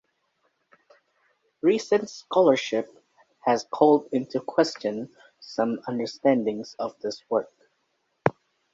Recent scholarship has called into question some understandings of this work.